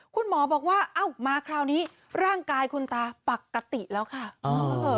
คุณหมอบอกว่าเอ้ามาคราวนี้ร่างกายคุณตาปกติแล้วค่ะ